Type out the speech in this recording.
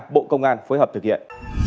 bộ công an phối hợp thực hiện